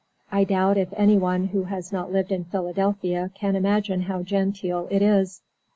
I doubt if any one who has not lived in Philadelphia can imagine how genteel it is.